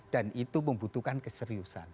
dan itu membutuhkan keseluruhan